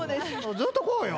ずっとこうよ。